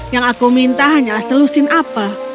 yang aku minta hanyalah selusin apa